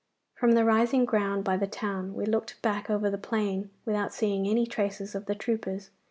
From the rising ground by the town we looked back over the plain without seeing any traces of the troopers.